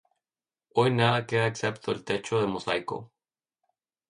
Hoy nada queda excepto el techo de mosaico.